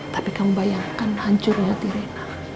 tapi kamu bayangkan hancurnya hati rena